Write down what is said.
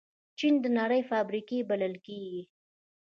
چین د نړۍ فابریکې بلل کېږي.